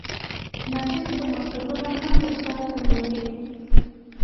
ناچیز پرمختګونه هم پر شا تمبوي.